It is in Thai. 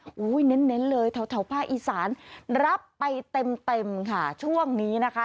โอ้โหเน้นเลยแถวภาคอีสานรับไปเต็มเต็มค่ะช่วงนี้นะคะ